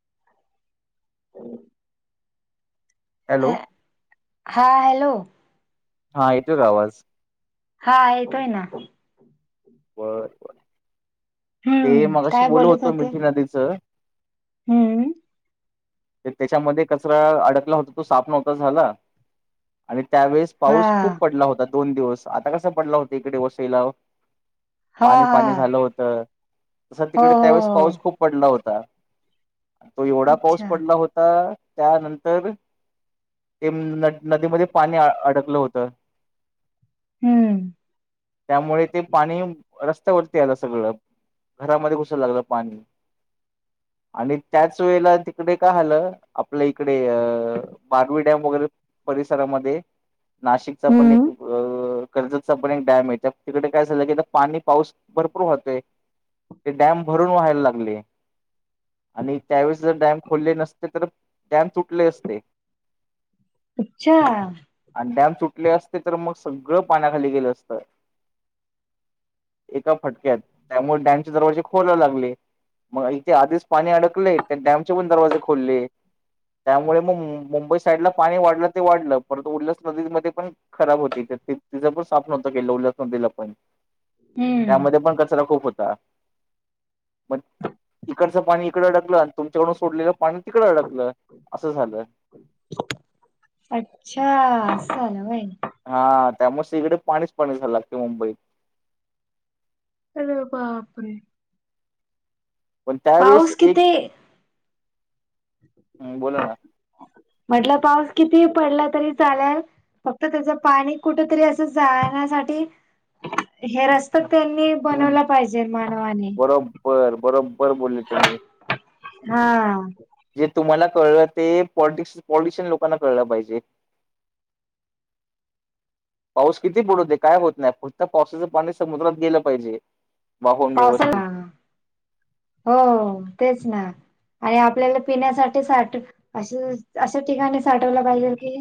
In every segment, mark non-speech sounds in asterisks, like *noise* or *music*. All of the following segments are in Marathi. *inaudible* हॅलो ह हा हॅलो. हा येतो का आवाज? हा येतोय ना. बर बरं. ते हम्म मगाशी काय बोल बोलत होतो होते मिठी नदीचं हम्म त्याच्यामध्ये कचरा अडकला होता तो साप नव्हता झाला. आणि त्यावेेळेस हा पाऊस खूप पडला होता दोन दिवस आता कसा पडला होता इकडे वसईला हा पाणी हा पाणी झालं होतं तस हो तिकडे त्यावेेळेस हो पाऊस हो खूप पडला होता. तो एवढा पाऊस अच्छा पडला होता त्यानंतर ते न नदीमध्ये पाणी अडकलं होतं. हम्म त्यामुळे ते पाणी रस्त्यावरती आलं सगळं. घरामध्ये घुसायला लागलं पाणी आणि त्याच वेळेला इकडे का झालं आपलं इकडे बारवी डॅम वगैरे परिसरामध्ये. नाशिकचा पण एक हम्म अ कर्जतचा पण एक डॅम आहे तिकडे काय झालं की पाणी पाऊस भरपूर वाहतोय. ते डॅम भरून वहायला लागले आणि त्यावेळे जर डॅम खोलले नसते तर डॅम तुटले असते. अच्छा. आणि डॅम सुटले असते तर मग सगळं पाण्याखाली गेलं असतं. एका फटक्यात त्यामुळे डॅमचे दरवाजे खोलायला लागले. मग इथे आधीच पाणी अडकले त्या डॅमचे पण दरवाजे खोले त्यामुळे मग मुं मुंबई साईडला पाणी वाढलं ते वाढलं परंत उरल्यास नदीमध्ये पण खराब होती तिचं पण साफ नव्हतं का उल्लास नदीला पण. हम्म त्यामध्ये पण कचरा खूप होता. मग इकडचं पाणी इकडं अडकलं आणि तुमच्याकडून सोडलेलं पाणी तिकडं अडकलं असं झालं. अच्छा असं झालं व्हय. हा त्यामुळे त इकडे पाणीच पाणी झालं लागते अख्या मुंबईत. अरे बापर! पण त्यावेेळेस पाऊस एक, किती बोला ना. म्हटलं पाऊस किती ही पडला तरी चाललं फक्त त्याचं पाणी कुठं तरी असं जाण्यासाठी हे रस्ते त्यांनी बनवलं पाहिजे मानवानी. बरं बरोबर बोले तुम्ही. हा. जे तुम्हाला कळलं ते पॉलिटिक्स पॉलिटिशियन लोकांना कळलं पाहिजे. *inaudible* पाऊस किती ही पडू दे काय होत नाही फक्त पावसाच पाणी समुद्रात गेल पाहिजे. वाहून व्यवस्थित पावसाला, हो तेच ना आणि आपल्याला पिण्यासाठी साठ अशा ठिकाणी साठवल पाहिजे की,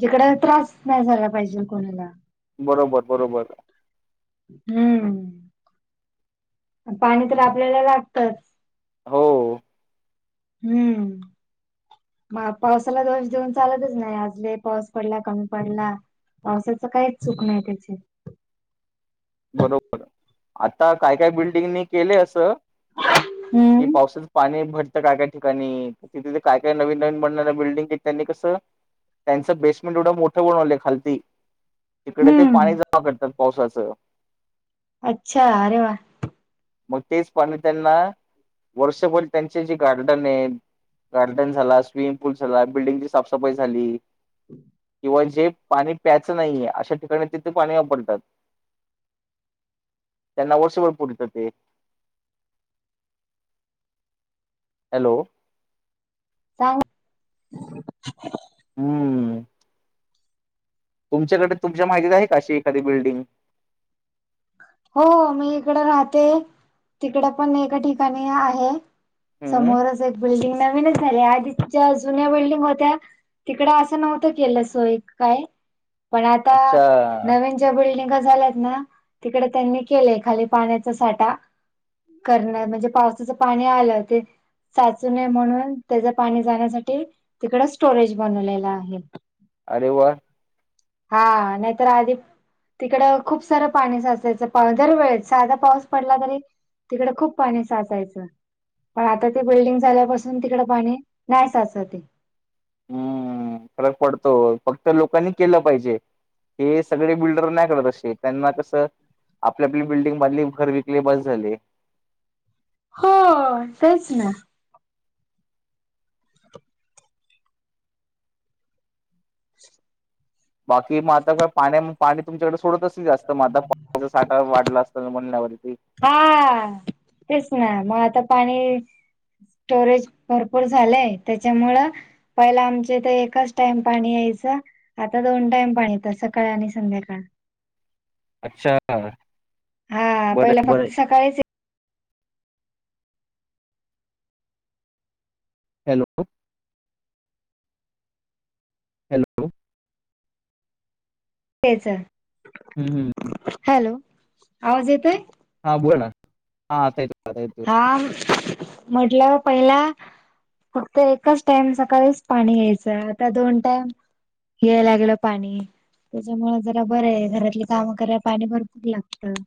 जिकड त्रास नाही झाला पाहिजे कोणाला, बरोबर बरोबर, हम्म पाणी तर आपल्याला लागतच. हो. हम्म मा पावसाला दोष देऊन चालतच नाही. आज ले पाऊस पडला कमी पडला. पावसाच काहीच चूक नाही त्याची. बरोबर आता काय काय बिल्डिंगनी केले अस. की हम्म पावसाच पाणी भट काय काय ठिकाणी तिथ काय काय नवीन नवीन बनणाऱ्या बिल्डिंग त्यांनी कस त्यांच बेसमेंट एवढ मोठ बनवलय खालती तिकडे ते हम्म पाणी जमा करतात पावसाच. अच्छा. अरे वा! मग तेच पाणी त्यांना वर्षभर त्यांचे जे गार्डन आहे. गार्डन झाला स्विमिंग पूल झाला बिल्डिंगची साफसफाई झाली. *inaudible* किंवा जे पाणी प्यायच नाहीये अशा ठिकाणी तिथ पाणी वापरतात. त्यांना वर्षभर पुरत ते, हॅलो. *unintelligible* हम्म तुमच्याकडे, तुमच्या माहितीत आहे अशी एखादी बिल्डिंग. हो मी इकड राहते. तिकडे पण एका ठिकाणी आहे. हम्म समोरच एक बिल्डिंग नवीनच झाली आधीच्या जुन्या बिल्डिंग होत्या. तिकड अस नव्हत केल. सोय काय पण आता अच्छा नवीन ज्या बिल्डिंग झाल्यात ना, तिकड त्यांनी केलय खाली पाण्याचा साठा. करणार म्हणजे पावसाच पाणी आल ते, साचू नये म्हणून त्याच पाणी जाण्यासाठी. तिकड स्टोरेज बनवलेल आहे. अरे वा. हा नाहीतर आधी तिकड खूप सार पाणी साच त्याच पाणी दर वेळेस साधा पाऊस पडला तरी तिकड खूप पाणी साचायच. पण आता ते बिल्डिंग झाल्यापासून तिकड पाणी नाही साचतय. हम्म फरक पडतो फक्त लोकांनी केल पाहिजे. हे सगळे बिल्डर नाही का तसे त्यांना कस. आपल्या बी बिल्डिंग मधली घर विकली बस झाले. हो, तेच ना. बाकी मग आता पाणी म पाणी तुमच्याकडे सोडत असेल नाही जास्त मग आता पाण्या साठा वाढला असेल म्हणण्यावरती. हा तेच ना मग आता पाणी. स्टोरेज भरपूर झालेय त्याच्यामुळ पहिला आमच्या इथ, एकच टाइम पाणी यायचं आता दोन टाईम पाणी येतं, सकाळ आणि संध्याकाळ. अच्छा. हां बरं पहिला आहे, बरं आहे. फक्त सकाळीच य हॅलो? हॅलो? तेच. हम्म. हॅलो? आवाज येतोय? हा बोला ना, हा आता येतोय, आता येतोय. आह, म्हटलं पहिला फक्त एकच टाइम, सकाळीच पाणी यायचं, आता दोन टाइम याय लागल पाणी. त्याच्यामुळ जरा बरं ये, घरातलं काम कराया पाणी भरपूर लागतं.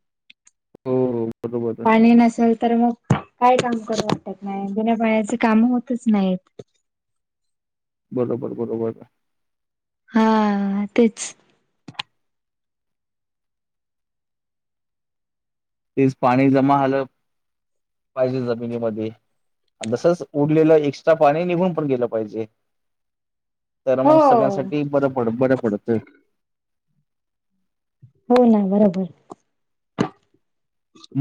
हो हो बरोबर पाणी नसल तर मग, काय काम करू वाटत नाही, बिना पाण्याच काम होतच नाहीत. बरोबर बरोबर. हां तेच तेच पाणी जमा झालं, पाहिजे जमिनीमध्ये. अन तसच उडलेलं एक्स्ट्रा पाणी, निघून पण गेलं पाहिजे. तर हो मग सगळ्यांसाठी, बरं पड, बर पडतं. होय ना बरोबर.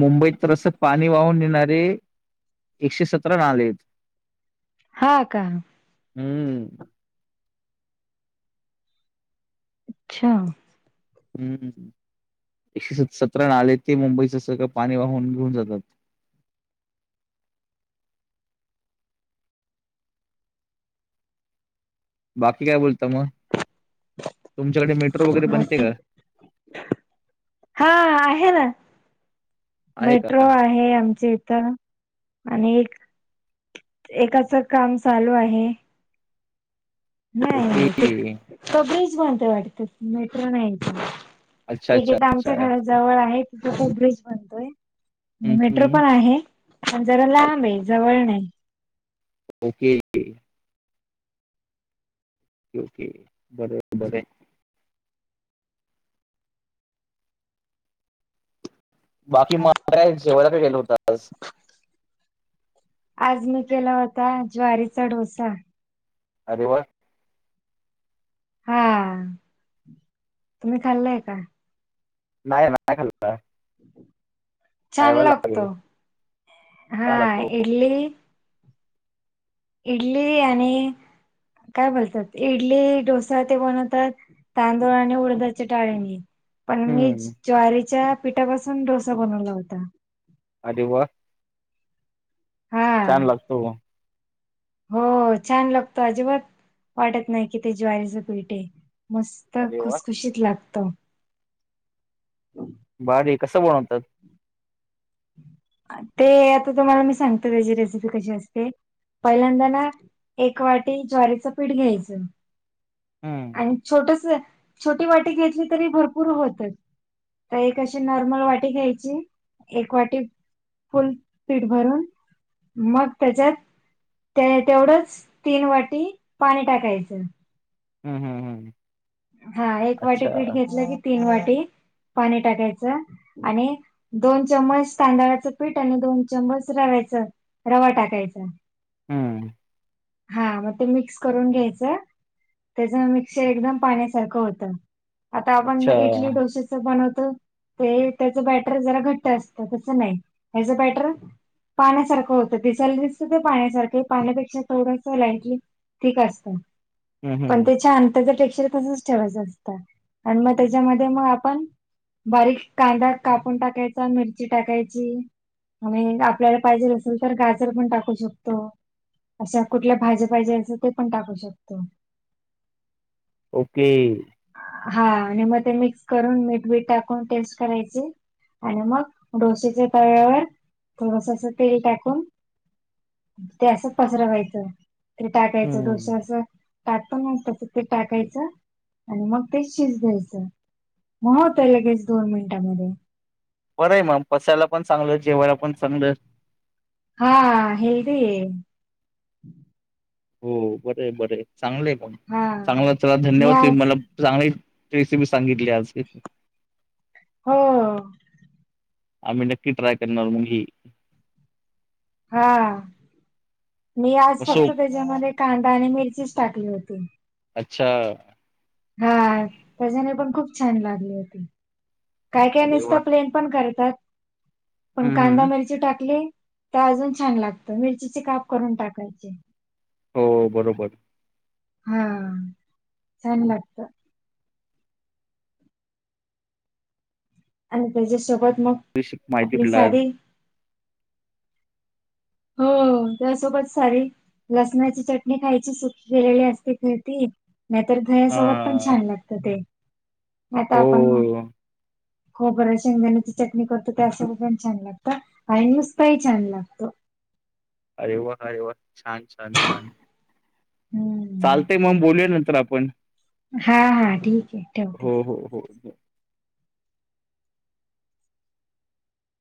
मुंबईत तर असं पाणी वाहून नेणारे, एकशे सतरा नाले येत. हां का? ह्म. अच्छा. ह्म ह्म, एकशे स-सतरा नाले येत, ते मुंबईचं सगळं पाणी, वाहून घेऊन जातात. बाकी काय बोलता मग? तुमच्याकडे मेट्रो वगैरे बनते का? हां, आहे ना, आहे मेट्र ट्रो का आहे आमच्या इथं आणि एक एकाच काम, चालू आहे. नाही ओके नहीं ते, तो ब्रीज बनतोय वाटतं, मेट्रो नाही. अच्छा एक अच्छा इथं अच्छा आमच्या घराजवळ आहे, तिथे पण ब्रिज बनतोय. हम्म मेट्रो हम्म पण आहे, पण जरा लांब ये, जवळ नाही. ओके. ओके, बरं बरंय. बाकी मग काय, जेवायला काय केलं होत आज? आज मी केला होता, ज्वारीचा डोसा. अरे वा! हां, तुम्ही खाल्लंय का? नाही, नाही खाल्ल. छान लागेल लागतो, का हां लागतो इडली इडली आणि काय बोलतात? इडली, डोसा ते बनवतात तांदूळ आणि उडदाचे डाळीनी पण मी हम्म ज्वारीच्या पिठापासून डोसा बनवला होता. आरे वाह हा छान लागतो. हो छान लागतो अजिबात वाटत नाही कि ते ज्वारीचं पीठ आहे. मस्त अरे वा खुसखुशीत लागतं. हम् बारी कसं बनवतात? ते आता तुम्हाला मी सांगतो त्याची रेसिपी कशी असते? पहिल्यांदा ना एक वाटी ज्वारीचा पीठ घ्यायचं. हम्म आणि छोटसा छोटी वाटी घेतली तरी भरपूर होतं. तर एक अशी नॉर्मल वाटी घ्यायची एक वाटी फुल पीठ भरून मग त्याच्यात ते तेवढंच तीन वाटी पाणी टाकायचं. हम्म हम्म हम्म. हा एक वाटी अच्छा पीठ घेतलं की तीन वाटी पाणी टाकायचं. आणि दोन चम्मच तांदळाचं पीठ आणि दोन चम्मच रव्याचं रवा टाकायचा. हम्म. हा म ते मिक्स करून घ्यायचं त्याचा मिक्सर एकदम पाण्यासारख होतं आता आपण अच्छा इटली डोसेच चा बनवतं ते त्याच बॅटर जरा घट्ट असतं तसं नाही हेज्या बॅटर पाण्यासारखं होतं दिसल दिसतं ते पाण्यासारखं पाण्यापेक्षा थोडस लाईंटली ठीक असतं हम्म पण हम्म ते छान त्याच्यापेक्षा तसच ठेवायचं असतं आणि म त्याच्यामध्ये म आपण बारीक कांदा कापून टाकायचा, मिरची टाकायची. आणि हे आपल्याला पाहिजे असेल तर गाजर पण टाकू शकतो. अशा कुठल्या भाज्या पाहिजे असं ते पण टाकू शकतो. ओके. हा आणि मग ते मिक्स करून मीठ बीठ टाकून टेस्ट करायचे. आणि मग डोसेच्या तव्यावर थोडसा असं तेल टाकून ते असं पसरावायचं. ते टाकायचं डोशा हम्म असं टाकतं ना तसं ते टाकायचं. आणि मग तेच शिज द्यायचं म होतय लगेच दोन मिनटामध्ये. बरं आहे मम पसायला पण चांगलं जेवायला पण चांगलं. हा हा हेल्दी आहे. हो बरे बरे आहे चांगलेय पण हा. चांगला चला मी धन्यवाद तुम्ही आज मला चांगली रेसिपी सांगितली आज ही. हो हो हो. आम्ही नक्की ट्राय करणार मग ही. हा मी आज मग फक्त सोप त्याच्यामध्ये कांदा आणि मिरचीच टाकली होती. अच्छा. हा त्याच्याने पण खूप छान लागली होती. काय काय अरे वा नुसतं प्लेन पण करतात. पण हम्म कांदा हम्म मिरची टाकली तर अजून छान लागतं मिरचीचे काप करून टाकायचे. हो बरोबर. ह. छान लागत. आणि त्याच्या सोबत मग, माहिती आपली पडला. साधी हो. त्यासोबत सारी लसणाची चटणी खायची सुकी केेलेली असत. खर ती, नाहीतर दह्यासोबत पण हा छान लागत ते. आता आपण हो खोबर, शेंगदाण्याची चटणी करतो त्यासोबत पण छान लागत. आणि नुसत ही छान लागतो. अरे वा. अरे वा. छान छान छान. हम्म चालते मग बोलूया नंतर आपण. हा हा ठीक आहे ठेवते हो हो हो हो.